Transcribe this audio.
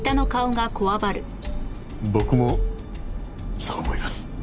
僕もそう思います。